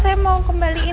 saya mau kembaliin